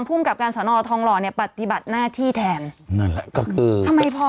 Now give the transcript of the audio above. ภูมิกับการสนอทองรเนี่ยปฏิบัติหน้าที่แทนก็คือทำไมพอ